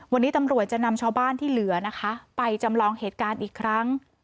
วันนี้ตำรวจจะนำชาวบ้านที่เหลือนะคะไปจำลองเหตุการณ์อีกครั้ง